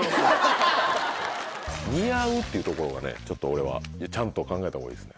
「似合う」っていうところがこれはちゃんと考えたほうがいいです。